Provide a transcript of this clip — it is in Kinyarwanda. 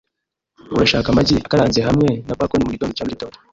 Urashaka amagi akaranze hamwe na bacon mugitondo cya mugitondo?